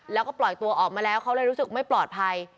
แล้วก็ปล่อยตัวออกมาแล้วเขาเลยรู้สึกไม่ปลอดภัย